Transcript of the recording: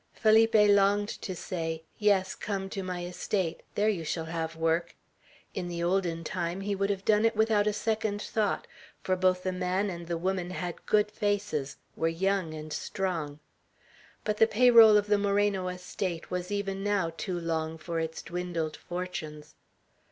Felipe longed to say, "Yes, come to my estate; there you shall have work!" In the olden time he would have done it without a second thought, for both the man and the woman had good faces, were young and strong. But the pay roll of the Moreno estate was even now too long for its dwindled fortunes.